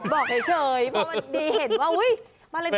บอกเฉยเพราะมันเห็นว่า